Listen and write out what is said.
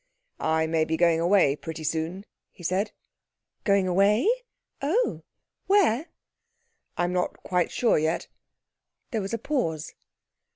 'I may be going away pretty soon,' he said. 'Going away! Oh, where?' 'I'm not quite sure yet.' There was a pause.